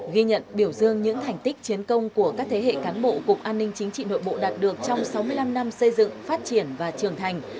ghi nhận biểu dương những thành tích chiến công của các thế hệ cán bộ cục an ninh chính trị nội bộ đạt được trong sáu mươi năm năm xây dựng phát triển và trưởng thành